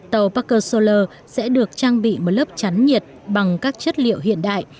tàu parker solar sẽ được trang bị một lớp chắn nhiệt bằng các chất liệu hiện đại